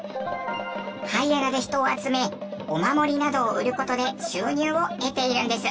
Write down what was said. ハイエナで人を集めお守りなどを売る事で収入を得ているんです。